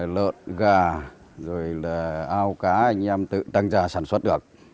lợn gà rồi là ao cá anh em tự tăng ra sản xuất được